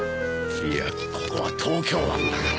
いやここは東京湾だから。